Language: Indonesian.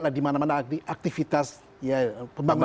lah dimana mana aktivitas pembangunan